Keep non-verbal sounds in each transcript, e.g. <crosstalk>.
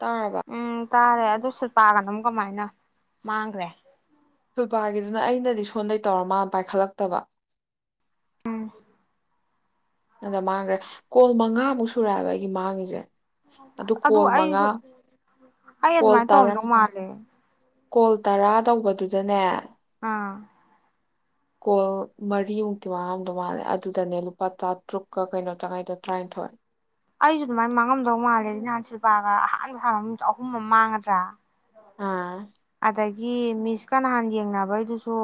ꯇꯥꯔꯕ ꯎꯝ ꯇꯥꯔꯦ ꯑꯗꯨꯣ ꯁꯜꯄꯒ ꯅ ꯀꯃꯥꯏꯅ ꯃꯥꯡꯈ꯭ꯔꯦ꯫ ꯁꯨꯜꯄꯥꯒꯤꯗꯨꯅ ꯑꯩꯅꯗꯤ ꯁꯣꯟꯗꯩ ꯇꯧꯔ ꯃꯥꯅ ꯄꯥꯏꯈꯠꯂꯛꯇꯕ꯫ ꯎꯝ ꯑꯗ ꯃꯥꯡꯈ꯭ꯔꯦ ꯀꯣꯜ ꯃꯉꯥꯃꯨꯛ ꯁꯨꯔꯛꯑꯦꯕ ꯑꯩꯒꯤ ꯃꯥꯡꯉꯤꯁꯦ꯫ ꯑꯁ ꯑꯗꯨ ꯀꯣꯜ ꯃꯉꯥ ꯑꯩꯁꯨ ꯑꯩ ꯀꯣꯜ ꯑꯗꯨꯃꯥꯏꯅ ꯇꯔꯥ ꯇꯧꯔꯝꯗꯧ ꯃꯥꯜꯂꯦ꯫ ꯀꯣꯜ ꯇꯔꯥ ꯇꯧꯕꯗꯨꯗꯅꯦ ꯑꯥ ꯀꯣꯜ ꯃꯔꯤꯃꯨꯛꯇꯤ ꯃꯥꯉꯝꯗꯧ ꯃꯥꯜꯂꯦ ꯑꯗꯨꯗꯅꯦ ꯂꯨꯄꯥ ꯆꯥꯠ ꯇ꯭ꯔꯨꯛꯀ ꯀꯩꯅꯣꯆꯪꯉꯩꯗꫭ ꯇꯔꯥꯏꯅꯤꯊꯣꯏ ꯑꯩꯁꯨ ꯑꯗꯨꯃꯥꯏꯅ ꯃꯥꯡꯉꯝꯗꯧ ꯃꯥꯜꯂꯦ ꯅꯍꯥꯟ ꯁꯤꯜꯄꯥꯒ ꯑꯍꯥꯟꯕ ꯁꯅꯕꯗ ꯑꯍꯨꯝ ꯑꯃ ꯃꯥꯡꯒꯗ꯭ꯔꯥ ꯑꯥ ꯑꯗꯒꯤ ꯃꯤꯁꯀ ꯅꯍꯥꯟ ꯌꯦꯡꯅꯕꯩꯗꯨꯁꯨ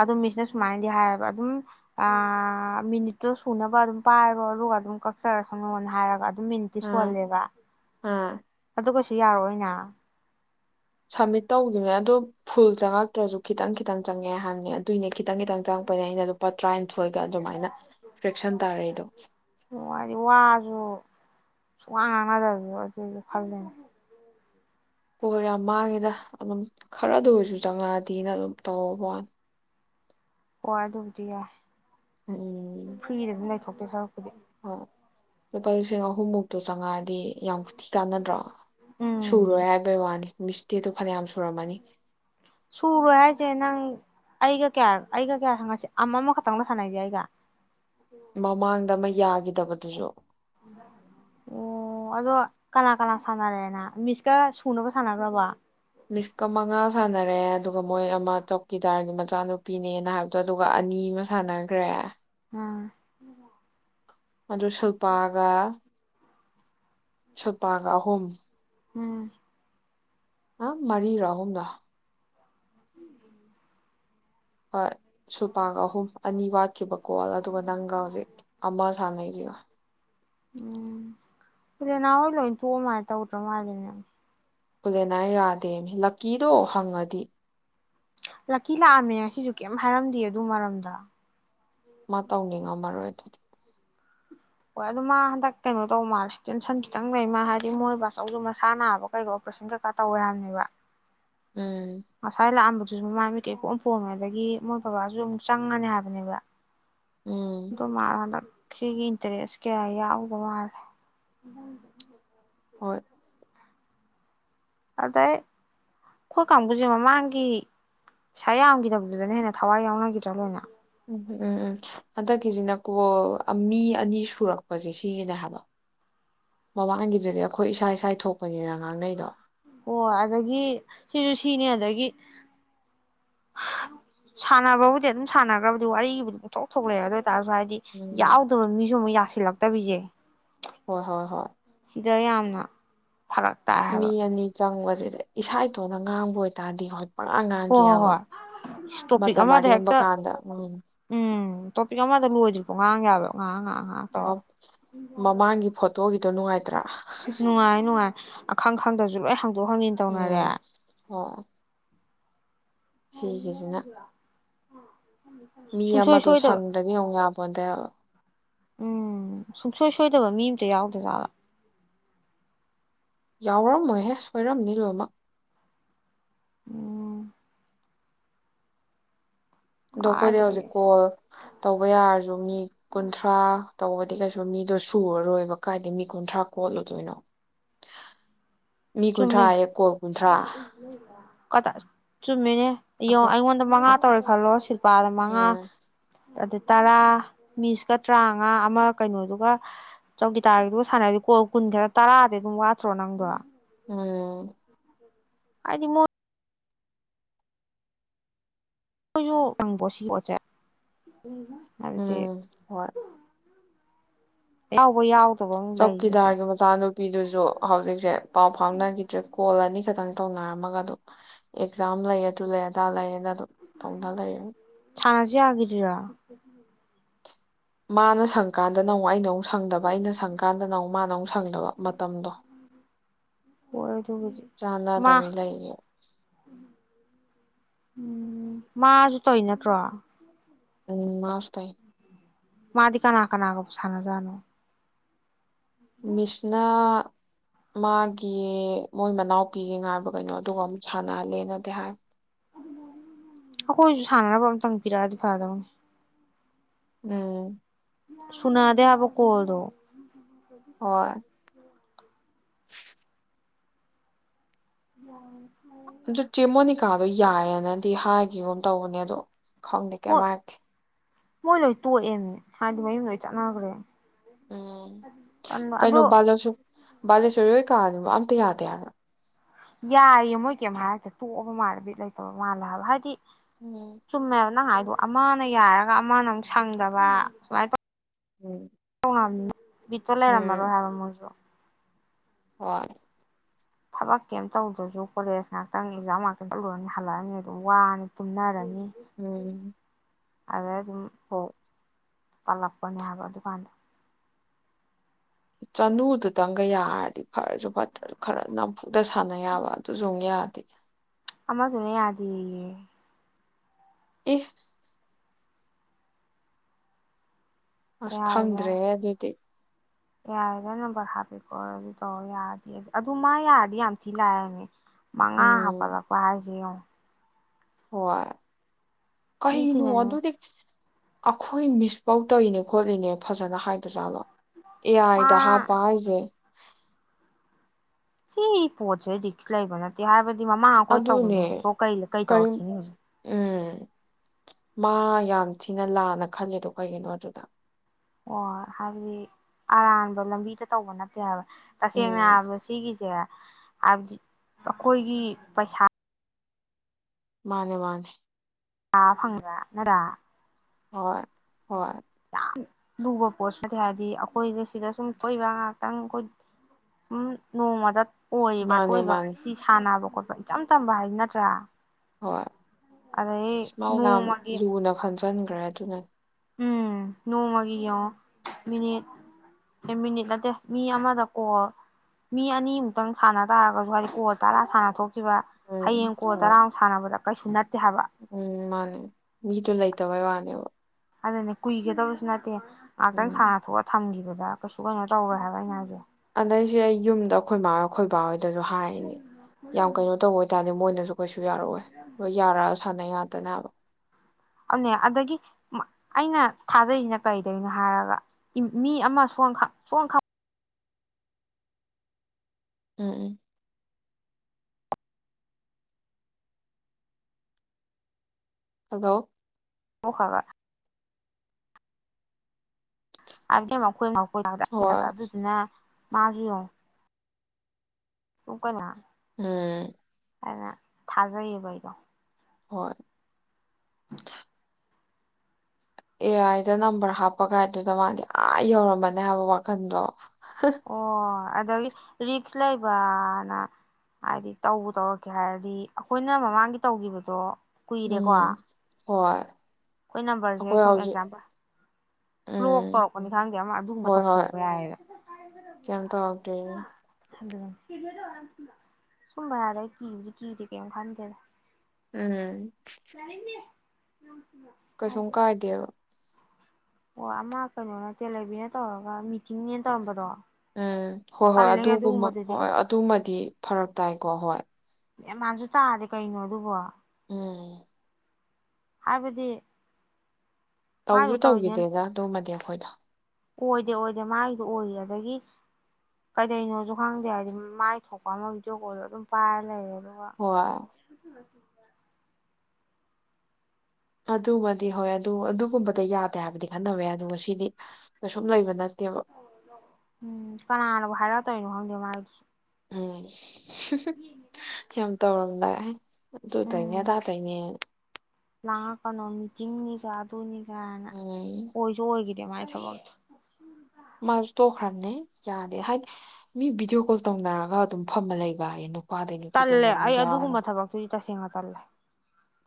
ꯑꯗꫭ ꯃꯤꯁꯅ ꯁꯨꯃꯥꯏꯅꯗꯤ ꯍꯥꯏꯌꯦꯕ ꯑꯗꯨꯝ ꯑꯥ ꯃꯤꯅꯤꯠꯇꯣ ꯁꯨꯅꯕ ꯑꯗꯨꯝ ꯄꯥꯏꯔꯣ ꯑꯗꯨꯒ ꯑꯗꯨꯝ ꯀꯛꯆꯔꯁꯅꯨꯅ ꯍꯥꯏꯔꯒ ꯑꯗꯨꯝ ꯃꯤꯅꯤꯠꯇꯤ ꯑꯥ ꯁꯨꯜꯂꯦꯕ ꯑꯥ ꯑꯗꯨꯒ ꯗꯨꯨ ꯌꯥꯔꯣꯏꯅꯥ ꯁꯕꯃꯤꯠ ꯇꯧꯈꯤꯕꯅꯦ ꯑꯗꯣ ꯐꯨꯜ ꯆꯪꯉꯛꯇ꯭ꯔꯁꯨ ꯈꯤꯇꯪ ꯈꯤꯇꯪ ꯆꯪꯉꯦ ꯍꯥꯏꯕꯅꯦ ꯑꯗꯨꯏꯅꯦ ꯈꯤꯇꯪ-ꯈꯤꯇꯪ ꯆꯪꯉꯛꯄꯅꯦ ꯑꯩꯅ ꯂꯨꯄꯥ ꯇꯔꯥꯅꯤꯊꯣꯏꯒ ꯑꯗꯨꯃꯥꯏꯅ ꯐ꯭ꯔꯦꯛꯁꯟ ꯇꯥꯔꯛꯏꯗꫭ꯫ ꯁꯨꯛꯉꯥꯡ ꯉꯥꯡꯅꯗꯕꯗꯣ ꯑꯗꯨꯁꯨ ꯈꯜꯂꯤꯅꯦ꯫ ꯀꯣꯜ ꯌꯥꯝ ꯃꯥꯡꯉꯦꯗ ꯑꯗꯨꯝ ꯈꯔꯗ ꯑꯣꯏꯔꯁꯨ ꯆꯪꯉꯛꯑꯗꯤꯅ ꯑꯗꯨꯝ ꯇꯧꯕ ꯋꯥꯅꯤ꯫ ꯍꯥꯏ ꯑꯗꯨꯕꯨꯗꯤ ꯌꯥꯏ꯫ ꯐ꯭ꯔꯤꯗꯅꯤ ꯂꯩ <inaudible> ꯁꯔꯨꯛꯄꯨꯗꯤ ꯑ ꯂꯨꯄꯥ ꯂꯤꯁꯤꯡ ꯑꯍꯨꯝꯃꯨꯛꯇꯣ ꯆꯪꯉꯛꯑꯗꯤ ꯌꯥꯝ ꯊꯤ ꯀꯥꯟꯅꯗ꯭ꯔꯣ ꯁꯨꯔꯣꯏ ꯎꯝ ꯍꯥꯏꯕꯩ ꯋꯥꯅꯤ ꯃꯤꯁ ꯇꯦꯗꯣ ꯐꯅꯌꯥꯝꯁꯨ ꯁꯨꯔꯥꯏ ꯍꯥꯏꯁꯦ ꯅꯪ ꯑꯩꯒ ꯀꯌꯥ ꯑꯩꯒ ꯀꯌꯥ ꯍꯪꯑꯁꯤ ꯑꯃꯃ ꯈꯛꯇꯪꯅ ꯁꯥꯟꯅꯁꯦ ꯑꯩꯒ꯫ ꯃꯃꯥꯡꯗ ꯃꯩ ꯌꯥꯈꯤꯗꯕꯗꯨꯁꯨ ꯑꯣ ꯑꯗꯣ ꯀꯅꯥ-ꯀꯅꯥ ꯁꯥꯟꯅꯔꯦꯅ ꯃꯤꯁꯀ ꯁꯨꯅꯕ ꯁꯥꯟꯅꯈ꯭ꯔꯕ꯫ ꯃꯤꯁꯀ ꯃꯉꯥ ꯁꯥꯟꯅꯔꯦ ꯑꯗꯨꯒ ꯃꯣꯏ ꯑꯃ ꯆꯧꯀꯤꯗꯥꯔꯒꯤ ꯃꯆꯥꯅꯨꯄꯤꯅꯦꯅ ꯍꯥꯏꯕꯗꯣ ꯑꯗꯨꯒ ꯑꯅꯤ ꯑꯃ ꯁꯥꯟꯅꯈ꯭ꯔꯦ꯫ ꯎꯝ ꯑꯗꯨ ꯁꯤꯜꯄꯥꯈ ꯑꯍꯨꯝ ꯎꯝ ꯑ ꯃꯔꯤꯔꫭ ꯍꯨꯝꯔꫭ <unintelligible> ꯍꯣꯏ꯫ ꯁꯨꯜꯄꯥꯒ ꯑꯍꯨꯝ ꯑꯅꯤ ꯋꯥꯠꯈꯤꯕꯀꯣ ꯑꯗꯨꯒ ꯅꯪꯒ ꯍꯧꯖꯤꯛ ꯑꯃ ꯁꯥꯅꯩꯁꯤꯒ꯫ ꯎꯝ ꯄꯦꯂꯦꯅꯥ ꯍꫭꯏ ꯂꫭꯏꯅ ꯇꫭꯛꯑ ꯃꯥꯜꯂꯦ ꯇꯧꯗ꯭ꯔ ꯃꯥꯂꯤꯅꯦ꯫ ꯀꯨꯂꯦꯅꯥ ꯌꯥꯗꯦ ꯂꯛꯀꯤꯗꯣ ꯍꯪꯑꯗꯤ ꯂꯀꯤ ꯂꯥꯛ ꯑꯝꯃꯦ ꯉꯁꯤꯁꯨ ꯀꯩꯝ ꯍꯥꯏꯔꯝꯗꯦ ꯑꯗꯨ ꯃꯔꯝꯗ ꯃꯥ ꯇꯧꯅꯤꯡ ꯉꯝꯃꯔꯣꯏ ꯑꯗꯨꯗꯤ ꯍꯣꯏ ꯑꯗꯨ ꯃꯥ ꯍꯟꯗꯛ ꯀꯩꯅꯣ ꯇꯧ ꯃꯥꯜꯂꯦ ꯇꯦꯟꯁꯟ ꯈꯤꯇꯪ ꯂꯩ ꯃꯥ ꯍꯥꯏꯗꯤ ꯃꯣꯏꯕꯥꯆꯧꯁꯨ ꯃꯁꯥ ꯅꯥꯕ ꯀꯩꯗꯧꯕ ꯑꯣꯄꯔꯦꯁꯟ ꯀꯩꯀꯥ ꯇꯧꯋꯦ ꯍꯥꯏꯕꯅꯦꯕ ꯎꯝ ꯉꯁꯥꯏ ꯂꯥꯛ ꯑꯝꯕ ꯑꯗꯨꯁꯨ ꯃꯃꯥꯏ ꯃꯃꯤꯠ ꯀ ꯏꯄꫭꯝ ꯄꯣꯝꯃꯦ ꯑꯗꯒꯤ ꯃꯣꯏ ꯕꯕꯥꯁꯨ ꯑꯃꯨꯛ ꯆꯪꯉꯅꯤ ꯍꯥꯏꯕꯅꯦꯕ ꯎꯝ ꯗꯨ ꯃꯥꯉꫭꯟꯗ ꯁꯤꯒꯤ ꯏꯟꯇꯔꯦꯁ ꯀꯌꯥ ꯌꯥꯎꯕ ꯃꯥꯜꯂꯦ ꯍꯣꯏ ꯑꯗꯩ ꯈꯣꯏ ꯀꯥꯡꯕꯨꯁꯦ ꯃꯃꯥꯡꯒꯤ ꯄꯩꯁꯥ ꯌꯥꯝꯒꯤꯗꯕꯗꯨꯗꯅ ꯍꯦꯟꯅ ꯊꯋꯥꯏ ꯌꯥꯎꯅꯈꯤꯗ꯭ꯔꯥ ꯂꯣꯏꯅ ꯎꯍ ꯎꯝ ꯎꯝ ꯍꯟꯗꯛꯀꯤꯁꯤꯅ ꯀꯣꯜ ꯑ ꯃꯤ ꯑꯅꯤ ꯁꯨꯔꯛꯄꯁꯦ ꯁꯤꯁꯤꯅꯦ ꯍꯥꯏꯕ ꯃꯃꯥꯡꯒꯤꯗꯨꯗꯤ ꯑꯩꯈꯣꯏ ꯏꯁꯥ ꯏꯁꯥꯏ ꯊꯣꯛꯄꯅꯤꯅ ꯉꯥꯡꯅꯩꯗꯣ ꯍꫭꯏ ꯑꯗꯗꯒꯤ ꯁꯤꯁꯨ ꯁꯤꯅꯦ ꯑꯗꯒꯤ ꯁꯥꯟꯅꯕꯕꯨꯗꯤ ꯑꯗꯨꯝ ꯁꯥꯟꯅꯒ꯭ꯔꯕꯗꯨꯕꯨ ꯑꯩꯒꯤꯕꯨꯗꯤ ꯄꯪꯊꯣꯛ ꯊꯣꯛꯂꯛꯑꯦ ꯑꯗ ꯇꯥꯔꯁꯨ ꯍꯥꯏꯗꯤ ꯎꯝ ꯌꯥꯎꯗꯕ ꯃꯤꯁꯨ ꯑꯃꯨꯛ ꯌꯥꯁꯤꯜꯂꯛ ꯇꯕꯤꯖꯦ ꯍꯣꯏ ꯍꯣꯏ ꯍꯣꯏ ꯗ ꯌꯥꯝꯅ ꯐꯔꯛ ꯇꯥꯏ ꯍꯥꯏꯕ ꯃꯤ ꯑꯅꯤ ꯆꯪꯕ ꯖꯤꯗ ꯏꯁꯥ ꯏꯇꯣꯟꯅ ꯉꯥꯡꯕ ꯑꯣꯏꯇꯥꯔꯗꯤ ꯍ ꯍꯣꯏ ꯍꯣꯏ ꯍꯣꯏ ꯇꯣꯄꯤꯛ ꯃꯇꯝ ꯑꯃꯗ ꯑꯔꯦꯝꯕ ꯍꯦꯛꯇ ꯀꯥꯟꯗ ꯎꯝ ꯎꯝ ꯇꯣꯄꯤꯛ ꯑꯃꯗ ꯂꯣꯏꯗ꯭ꯔꯤꯕꯧ ꯉꯥꯡ ꯌꯥꯕ <unintelligible> ꯃꯃꯥꯡꯒꯤ ꯐꯣꯇꯣꯒꯤ ꯗꯨ ꯅꯨꯡꯉꯥꯏ ꯅꯨꯡꯉꯥꯌꯦ ꯅꯨꯡꯉꯥꯏ ꯑꯈꯪ ꯈꯪꯗꯁꯨ ꯂꯣꯏ ꯍꯪ ꯍꯪꯗꫭꯛ ꯍꯪꯖꯤꯟ ꯇꯧꯅꯔꯦ ꯎꯝ ꯑꯣ ꯁꯥꯏꯅꯤꯅꯦ ꯁꯤꯒꯤꯁꯤꯅ ꯅꯪꯖꯨ ꯃꯤ ꯑꯃꯗꯣ ꯁꯪꯗꯗꯤ ꯑꯃꯨꯛ ꯌꯥꯕꯣꯟꯗꯦꯕ ꯎꯝ ꯁꯨꯡꯁꯣꯏ ꯁꯣꯏꯗꯕ ꯃꯤ ꯑ ꯑꯃꯇ ꯌꯥꯎꯗꯖꯥꯠꯂꯥ ꯌꯥꯎꯔꯝꯃꯣꯏꯍꯦ ꯁꯣꯏꯔꯝꯅꯤ ꯂꯣꯏꯃꯛ ꯎꯝ ꯑꯗꯣ ꯑꯩꯈꯣꯏꯗꯤ ꯍꯧꯖꯤꯛ ꯀꯥꯏꯗꯒꯤ ꯀꯣꯜ ꯇꯧꯕ ꯌꯥꯔꯁꯨ ꯃꯤ ꯀꯨꯟꯊ꯭ꯔꯥ ꯇꯧꯕꯗꯤ ꯀꯩꯁꯨ ꯑꯗꫭ ꯃꯤꯗꯣ ꯁꯨꯔꯔꯣꯏꯕ ꯀꯥꯏꯗꯩ ꯃꯤ ꯀꯨꯟꯊ꯭ꯔꯥ ꯀꯣꯠꯂꯨꯗꯣꯏꯅꯣ ꯃꯤ ꯀꯨꯟꯊ꯭ꯔꯥ ꯆꯨꯝꯃꯦ ꯑꯌꯦ ꯀꯣꯜ ꯀꯨꯟꯊ꯭ꯔꯥ ꯀꯗꯥ ꯆꯨꯝꯃꯤꯅꯦ ꯌꯦꯡꯉꫭ ꯑꯩꯈꯣꯏ ꯑꯩꯉꯣꯟꯗ ꯃꯉꯥ ꯇꯧꯔꯦ ꯈꯜꯂꯣ ꯁꯤꯜꯄꯥꯗ ꯃꯉꯥ ꯎꯝ ꯑꯗ ꯇꯔꯥ ꯃꯤꯁꯀ ꯇꯔꯥꯝꯃꯉꯥ ꯑꯃ ꯀꯩꯅꯣꯗꯨꯒ ꯆꯧꯀꯤ ꯇꯥꯔꯒꯤꯗꯨꯒ ꯁꯥꯟꯅꯔ ꯀꯣꯜ ꯀꯨꯟ ꯈꯔ ꯇꯔꯥꯗꯤ ꯑꯗꯨꯝ ꯋꯥꯠꯇ꯭ꯔꯣ ꯅꯪꯒꯤꯗꯣ ꯎꯝ ꯍꯥꯏꯗꯤ ꯃꯣꯏ <unintelligible> ꯎꯝ ꯍꯣꯏ <unintelligible> ꯌꯥꯎꯕꯣ ꯌꯥꯎ ꯆꯧꯀꯤꯗꯥꯔꯒꯤ ꯃꯆꯥꯅꯨꯄꯤꯗꯨꯁꯨ ꯍꯧꯖꯤꯛꯁꯦ ꯄꯥꯎ ꯐꯥꯎꯅꯈꯤꯗ꯭ꯔꯦ ꯀꯣꯜ ꯑꯅꯤ ꯈꯇꯪ ꯇꯧꯅꯔꯝꯃꯒ ꯑꯗꯨꯝ ꯑꯦꯛꯖꯥꯝ ꯂꯩ ꯑꯗꯨ ꯂꯩ ꯑꯗꯥ ꯂꯩꯔ <unintelligible> <unintelligible> ꯃꯥꯅ ꯁꯪꯀꯥꯟꯗꯅ ꯑꯩꯅꯥ ꯑꯃꯨꯛ ꯁꯪꯗꯕ ꯑꯩꯅ ꯁꯪꯀꯥꯟꯗ ꯅ ꯃꯥꯃꯨꯛ ꯁꯪꯗꯕ ꯃꯇꯝꯗꯣ ꯍꯣꯏ ꯑꯗꯨꯕꯨꯗꯤ ꯃꯥ ꯆꯥꯟꯅꯗꯕꯅꯤ ꯂꯩꯌꯦꯕ꯫ ꯎꯝ ꯃꯥꯁꯨ ꯇꯧꯏ ꯅꯠꯇ꯭ꯔꯣ? ꯎꯝ ꯃꯥꯁꯨ ꯇꯧꯏꯅꯤ꯫ ꯃꯥꯗꯤ ꯀꯅꯥ - ꯀꯅꯥꯒ ꯁꯅꯖꯅꯣ? ꯃꯤꯁꯅ ꯃꯥꯒꯤ ꯃꯣꯏ ꯃꯅꯥꯎꯄꯤꯁꯤꯡꯉꯥꯏꯕ ꯀꯩꯅꯣ ꯑꯗꯨꯒ ꯑꯃꯨꯛ ꯁꯥꯟꯅꯍꯜꯂꯦꯅꯗꯤ ꯍꯥꯏ꯫ ꯑꯩꯈꯣꯏꯁꯨ ꯁꯥꯟꯅꯅꯕ ꯑꯝꯇꯪ ꯄꯤꯔꯛꯑꯗꯤ ꯐꯗꯧꯅꯦ꯫ ꯎꯝ꯫ ꯁꯅꯥꯗꯦ ꯍꯥꯏꯕ ꯀꯣꯜꯗꯣ꯫ <inaudible> ꯍꯣꯏ <inaudible> <inaudible> ꯑꯗꯨ ꯆꯦꯃꯣꯅꯤꯀꯥꯗꯣ ꯌꯥꯏꯌꯦꯅꯗꯤ ꯍꯥꯏꯈꯤꯕꯒꯨꯝ ꯇꯧꯕꯅꯦ ꯑꯗꯣ ꯈꯪꯗꯦ ꯀꯦꯝ ꯃꯣꯏ ꯍꯥꯏꯔꯛꯇꯦ꯫ ꯃꯣꯏ ꯂꯣꯏ ꯇꯣꯛꯑꯦꯕꯅꯤ ꯍꯥꯏꯗꯤ ꯃꯌꯨꯝ ꯂꯣꯏ ꯆꯠꯅꯈ꯭ꯔꯦ꯫ ꯎꯝ ꯇꯟꯕ ꯀꯩꯅꯣ ꯑꯗꯣ <unintelligible> <unintelligible> ꯀꯥꯗꯕ ꯑꯝꯇ ꯌꯥꯗꯦ ꯍꯥꯏꯕ꯫ ꯌꯥꯔꯤꯌꯦ ꯃꯣꯏ ꯀꯩꯝ ꯍꯥꯏꯔꯛꯇꯦ ꯇꯣꯛꯑꯕ ꯃꯥꯜꯂꯗꯤ ꯂꯩꯇꯕ ꯃꯥꯜꯂꯦ ꯍꯥꯏꯕ ꯍꯥꯏꯗꯤ ꯎꯝ ꯆꯨꯝꯃꯦꯕꯥ ꯅꯪ ꯍꯥꯏ ꯑ ꯑꯃꯅ ꯌꯥꯔꯒ ꯑꯃꯅ ꯑꯃꯨꯛ ꯁꯪꯗꯕ ꯁꯨꯃꯥꯏꯅ ꯇꯧ ꯎꯝ꯫ <unintelligible> ꯕꯤꯠꯇꯣ ꯂꯩꯔꯝꯃꯔꯣꯏ ꯎꯝ ꯍꯥꯏꯕ ꯃꯣꯏꯁꯨ꯫ ꯍꯣꯏ꯫ ꯊꯕꯛ ꯀꯩꯝ ꯇꯧꯗ꯭ꯔꯁꯨ ꯀꯣꯂꯦꯖ ꯉꯥꯛꯇꯪ ꯑꯦꯛꯖꯥꯝ ꯉꯥꯛꯇꯪ ꯆꯠꯂꯨꯔꯅꯤ ꯍꯜꯂꯛꯑꯅꯤ ꯑꯗꯨ ꯋꯥꯅꯤ ꯇꯨꯝꯅꯔꯅꯤ ꯎꯝ꯫ ꯑꯗ ꯍꯣꯏ <inaudible> ꯇꯜꯂꯄꯅꯦ ꯍꯥꯏꯕ ꯑꯗꯨꯀꯥꯟꯗ꯫ ꯆꯅꯨꯗꯨꯇꯪꯒ ꯌꯥ ꯔꯗꯤ꯫ ꯐꯔꯁꯨ ꯐꯠꯇ ꯈꯔ ꯅꯝꯐꯨꯗ ꯁꯥꯟꯅꯩ ꯌꯥꯕ ꯑꯗꯨꯁꯨ ꯑꯃꯨꯛ ꯌꯥ ꯊ ꯑꯗꯨꯅ ꯑꯗ ꯑꯦ ꯑꯁ ꯈꯪꯗ꯭ꯔꯦ ꯑꯗꯨꯗꯤ ꯌꯥꯔꯦꯗ ꯅꯝꯕꯔ ꯍꯥꯞꯄꯦꯀꯣ ꯑꯗꯨ ꯇꯧꯔ ꯌꯥꯔꯗꯤ ꯑꯗꯨ ꯃꯥ ꯌꯥꯔꯗꯤ ꯌꯥꯝ ꯊꯤ ꯂꯥꯛꯑꯦꯅꯦ ꯃꯉꯥ ꯍꯥꯞꯄꯠꯂꯛꯄ ꯍꯥꯏꯁꯤ ꯌꯦꯡꯉꯣ ꯍ ꯃꯤ ꯀꯩꯅ ꯑꯣ ꯇꯤꯟꯅꯅꯨ ꯑꯗꯨꯗꯤ ꯑꯩꯈꯣꯏ ꯃꯤꯁꯐꯧ ꯇꯧꯔꯤꯅꯦ ꯈꯣꯠꯂꯤꯅꯦ ꯐꯖꯅ ꯍꯥꯏ ꯆꯠꯂꯣ ꯑꯦ ꯃꯥ ꯑꯥꯏꯗ ꯍꯥꯞꯄ ꯍꯥꯏꯁꯦ ꯁꯤ ꯄꯣ ꯆꯩꯦ ꯔꯤꯁ ꯂꯥꯏꯕꯅ ꯍꯥꯏꯔꯕ ꯑꯗꯨ ꯃꯃꯥꯡ ꯑꯩꯈꯣꯏ ꯇꯧꯕꯅꯦ ꯑꯗꯨꯅꯦ ꯍꯧꯖꯤꯛꯐꯥꯎ ꯀꯔꯤ ꯀꯩ ꯇꯧꯔꯛꯁꯤꯅꯤ ꯍꯧꯖꯤꯛ ꯎꯝ ꯃꯥ ꯌꯥꯝ ꯊꯤꯅ ꯂꯥꯅ ꯈꯜꯂꯦꯗꯣ ꯀꯩꯒꯤꯅꯣ ꯑꯗꯨꯗ ꯑꯣ ꯍꯥꯏꯕꯗꯤ ꯑꯔꯥꯟꯕ ꯂꯝꯕꯤꯗ ꯇꯧꯕ ꯅꯠꯇꯦ ꯍꯥꯏꯕ ꯇꯁꯦꯡꯅ ꯎꯝ ꯍꯥꯏꯕꯗ ꯁꯤꯒꯤꯁꯦ ꯍꯥꯏꯕꯗꯤ ꯑꯩꯈꯣꯏꯒꯤ ꯄꯩꯁꯥ ꯃꯥꯅꯦ ꯃꯥꯅꯦ ꯂ ꯐꯪꯒ ꯅꯔꯥ ꯍꯣꯏ ꯍꯣꯏ ꯌꯥꯝ ꯂꯨꯕ ꯄꯣꯠꯁꯨꯦ ꯍꯥꯏꯗꯤ ꯑꯩꯈꯣꯏꯁ ꯁꯤꯗ ꯁꯨꯝ ꯊꯣꯛꯣꯏꯏꯕ ꯉꯍꯥꯛꯇꯪ ꯑꯩꯈꯣꯏ ꯁꯨꯝ ꯅꯣꯡꯃꯗ ꯑꯣꯏꯔꯤꯕ ꯃꯥꯅꯦ ꯊꯣꯛꯏꯕ ꯃꯥꯅꯦ ꯁꯤ ꯁꯥꯟꯅꯕ ꯈꯣꯠꯄ ꯏꯆꯝ ꯆꯝꯕ ꯍꯥꯏꯗꯤ ꯅꯠꯇ꯭ꯔꯥ ꯍꯣꯏ ꯑꯗꯩ ꯁꯨꯃꯥꯏ ꯌꯥꯝ ꯅꯣꯡꯃꯒꯤ ꯂꯨꯅ ꯈꯟꯖꯟꯒ꯭ꯔꯅꯤ ꯈꯔ ꯑꯗꯨꯅ ꯎꯝ ꯅꯣꯡꯃꯒꯤ ꯌꯦꯡꯉꯣ ꯃꯤꯅꯤꯠ ꯑꯦ ꯃꯤꯅꯤꯠ ꯅꯠꯇꯦ ꯃꯤ ꯑꯃꯗ ꯀꯣꯜ ꯃꯤ ꯑꯅꯤꯃꯨꯛꯇꯪ ꯁꯥꯟꯅ ꯇꯥꯔꯒꯁꯨ ꯍꯥꯏꯗꯤ ꯀꯣꯜ ꯇꯔꯥ ꯁꯥꯟꯅ ꯊꯣꯛ ꯁꯤ ꯎꯝ ꯍꯌꯦꯡ ꯀꯣꯜ ꯍꯣꯏ ꯇꯔꯥꯨ ꯁꯥꯟꯅꯕꯗ ꯀ ꯅ ꯎꯝ ꯃꯥ ꯃꯤꯗꯨ ꯂꯩꯇꯕꯩ ꯋꯥꯅꯦꯕ ꯑꯗꯨꯅꯦ ꯀꯨꯏꯒꯗꯧꯕꯁꯨ ꯅꯠꯇꯦ ꯉꯥꯏꯍꯥꯛꯇꯪ ꯎꯝ ꯁꯥꯟꯅ ꯊꯣꯛꯑ ꯊꯝꯈꯤꯕꯗꯣ ꯑꯗ ꯀꯩꯁꯨ ꯀꯩꯅꯣ ꯇꯧꯔꯦ ꯍꯥꯏꯕ ꯑꯩꯅ ꯍꯥꯏꯁꯦ ꯑꯗꯩꯁꯦ ꯑꯩ ꯌꯨꯝꯗ ꯑꯩꯈꯣꯏ ꯃꯥ ꯑꯩꯈꯣꯏꯕꯥꯣꯏ ꯍꯥꯏ ꯌꯥꯝ ꯀꯩꯅꯣ ꯇꯧꯕ ꯑꯣꯏꯇꯥꯔꯦ ꯃꯣꯏ ꯑꯩꯣꯏꯁꯨ ꯌꯥꯔꯑꯣꯏ ꯍꯣꯏ ꯌꯥꯔꯒ ꯁꯥꯟꯅꯩꯗ ꯀꯅꯥꯕ ꯑꯗꯨꯅꯦ ꯑꯗꯒꯤ ꯑꯩꯅ ꯊꯥꯖꯩꯁꯤꯅ ꯀꯔꯤꯗꯧꯅꯣ ꯍꯥꯏꯔꯒ ꯃꯤ ꯑꯃ ꯁ ꯁ ꯎꯝ ꯎꯝ ꯍꯜꯂꯣ ꯑꯣꯈꯕ ꯑꯦ ꯃꯈꯣꯏ ꯍꯣꯏ ꯑꯗꯨꯗꯤꯅ ꯃꯥꯒꯤꯌꯣ ꯎ ꯀꯅꯥ ꯎꯝ ꯑꯩꯅ ꯊꯥꯖꯩꯌꯦꯕ ꯑꯩꯗꯣ ꯍꯣꯏ ꯑꯦ ꯑꯥꯏꯗ ꯅꯝꯕꯔ ꯍꯥꯞꯄꯒꯗꯨꯗ ꯃꯥꯗꯤ ꯑꯥ ꯌꯧꯔꯝꯃꯅꯦ ꯍꯥꯏꯕ ꯋꯥꯈꯟꯗꯣ ꯑꯣ ꯑ ꯑꯗꯒꯤ ꯔꯤꯛꯁ ꯂꯩꯕꯅ ꯍꯥꯏꯗꯤ ꯇꯧꯕ ꯇꯧꯔꯛꯀꯦ ꯍꯥꯏꯔꯗꯤ ꯑꯩꯈꯣꯏꯅ ꯃꯃꯥꯡꯒꯤ ꯇꯧꯈꯤꯕꯗꯣ ꯀꯨꯏꯔꯦꯀꯣ ꯎꯝ ꯍꯣꯏ ꯑꯩꯈꯣꯏ ꯅꯝꯕꯔꯁꯦ ꯑꯩꯈꯣꯏ ꯁꯨꯝ ꯍꯧꯖꯤꯛ ꯑꯦꯛꯖꯥꯝꯄꯜ ꯂ꯭ꯂꯣꯛ ꯎꯝ ꯇꯧꯔꯛꯄꯅꯤ ꯈꯪꯗꯦ ꯑꯃ ꯑꯗꯨꯒꯨꯝꯕ ꯍꯣꯏ ꯍꯣꯏ ꯇꯧꯈꯠꯂꯛꯄ ꯌꯥꯏꯌꯦꯕ ꯀꯩꯝ ꯇꯧꯔꯛꯇ꯭ꯔꯤ ꯁꯨꯝꯕ ꯍꯥꯏꯔ ꯑꯩ ꯀꯤꯕꯗꯤ ꯀꯤꯗꯦ ꯀꯩꯝ ꯈꯟꯗꯦꯗ ꯎꯝ ꯎꯝ ꯀꯩꯁꯨꯝ ꯀꯥꯏꯗꯦꯕ ꯑꯣ ꯑꯃ ꯀꯩꯅꯣ ꯅ ꯇꯦꯜꯂꯕꯤꯅ ꯇꯧꯔꯒ ꯃꯤꯇꯤꯡꯅꯦꯅ ꯇꯧꯔꯝꯕꯗꯣ ꯎꯝ ꯍꯣꯏ ꯍꯣꯏ ꯇꯜꯂꯦꯍꯦ ꯑꯗꯨꯒꯨꯝꯕ ꯑꯗꯨꯒꯨꯝꯕꯗꯨꯗꯤ ꯍꯣꯏꯣꯏ ꯑꯗꯨꯃꯗꯤ ꯐꯔꯛ ꯇꯥꯏꯒꯦ ꯍꯣꯏ ꯑꯦ ꯃꯥꯥꯟꯁꯨ ꯇꯥꯗꯦ ꯀꯩꯅꯣ ꯑꯗꯨꯕꯣ ꯎꯝ ꯍꯥꯏꯕꯗꯤ ꯃꯥꯏꯗꯣ ꯇꯧꯁꯨ ꯇꯧꯔꯤꯅꯦꯅ ꯇꯧꯈꯤꯗꯦꯗ ꯑꯗꯨꯃꯗꯤ ꯑꯩꯈꯣꯏꯗ ꯑꯣꯏꯗꯦ ꯑꯣꯏꯗꯦ ꯃꯥꯒꯤꯗꯨꯣ ꯑꯣꯏꯔꯤ ꯑꯗꯒꯤ ꯀꯩꯗꯩꯅꯣꯁꯨ ꯈꯪꯗꯦ ꯍꯥꯏꯗꯤ ꯃꯥꯏ ꯊꯣꯛꯄ ꯑꯃ ꯚꯤꯗꯤꯑꯣ ꯀꯣꯜꯗꯣ ꯑꯗꯨꯝ ꯄꯥꯏꯔ ꯂꯩꯔꯦ ꯑ ꯍꯣꯏ ꯑꯗꯨꯃꯗꯤ ꯍꯣꯏ ꯑꯗꯨ ꯑꯗꯨꯒꯨꯝꯕꯗ ꯌꯥꯗꯦ ꯍꯥꯏꯕꯗꯤ ꯈꯟꯅꯕꯦ ꯑꯣ ꯉꯁꯤꯗꯤ ꯀꯩꯁꯨꯝ ꯂꯩꯕꯅ ꯎꯝ ꯀꯅꯥꯅꯣ ꯍꯥꯏꯔꯛꯛꯇꯣꯏꯅꯣ ꯍꯥꯏꯪ ꯃ ꯑꯗꯨ ꯃꯅꯤ ꯌꯥꯝ ꯇꯧꯔꯝꯗꯥꯏ ꯎ ꯑꯗꯨꯗꯥꯥꯏꯅꯦ ꯗꯗꯏꯅꯦ ꯂꯅꯥ ꯀꯅꯣꯅꯤ ꯅꯤꯒ ꯑꯗꯨꯅꯤ ꯌꯥꯅ ꯎꯝ ꯑꯣꯏꯁꯨ ꯑꯣꯏꯈꯤ ꯃꯥꯏ ꯊꯕ ꯃꯥꯁꯨ ꯇꯣꯛꯈ꯭ꯔꯕꯅꯦ ꯌꯥꯗꯦ ꯍꯥꯏꯗꯤ ꯃꯤ ꯚꯤꯗꯤꯑꯣ ꯀꯣꯜ ꯇꯧꯅꯔꯒ ꯑꯗꯨꯝ ꯐꯝꯃ ꯂꯩꯕ ꯍꯥꯏꯅ ꯇꯜꯂꯦ ꯑꯩ ꯑꯗꯨꯒꯨꯝꯕ ꯊꯕꯛꯇꯨꯗꯤ ꯇꯁꯦꯡꯅ ꯆꯂꯦ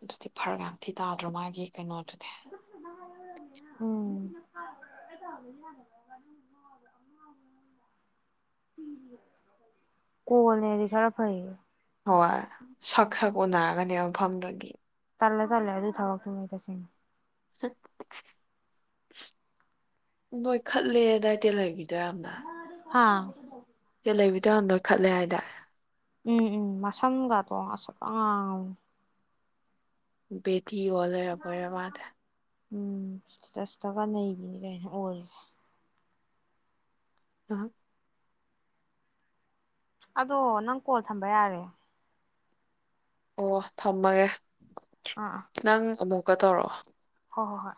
ꯑꯗꯨꯗꯤ ꯐꯔ ꯉꯥꯛꯇꯤ ꯇꯥꯗ꯭ꯔꯣ ꯃꯥꯒꯤ ꯀꯩꯅꯣ <inaudible> ꯎꯝ ꯀꯣꯜꯅꯦꯗꯤ ꯈꯔ ꯐꯩ ꯍꯣꯏ ꯁꯛ ꯁꯛ ꯎꯅꯔꯒꯅꯦꯕ ꯃꯐꯝꯗꯨꯒꯤ ꯇꯜꯂꯦ ꯇꯜꯂꯦ ꯑꯗꯨ ꯊꯥꯎꯕꯛꯇꯨꯝ ꯇꯁꯦꯡꯅ ꯅꯣꯏ ꯈꯠꯂꯦ ꯗꯥꯏꯠꯇ ꯂꯩꯕꯤ ꯌꯥꯝꯅ ꯍꯥꯥ ꯇ ꯂꯩꯕꯤ <unintelligible> ꯈꯠꯂꯦ ꯍꯥꯏꯇꯥꯔꯦ ꯎꯝ ꯎꯝ ꯃꯁꯝꯒꯗꯣ ꯑꯁ <inaudible> ꯏ ꯌ‌ꯣꯜ ꯂꯩꯔꯕ‌ꯣꯏꯔ‌ꯦ ꯃꯥꯗꯤ ꯎꯝ ꯏꯁꯇꯦꯇꯁꯇꯀ ꯅꯩꯕꯤꯅꯤ ꯀꯩꯅ‌ꯣ ꯑꯣꯏꯔꯤꯁꯦ ꯑ ꯑꯗꯣ ꯅꯪ ꯀꯣꯜ ꯊꯝꯕ ꯌꯥꯔꯦ ꯑꯣ ꯊꯝꯃꯒꯦ ꯑꯥ ꯑꯥ ꯅꯪ ꯀ ꯇꯧꯔꯛꯑꯣ ꯍꯣꯏ ꯍꯣꯏ ꯍꯣꯏ